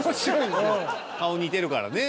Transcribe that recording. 顔似てるからね。